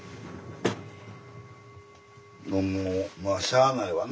もうまあしゃあないわな。